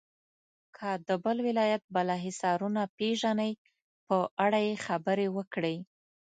که د بل ولایت بالا حصارونه پیژنئ په اړه یې خبرې وکړئ.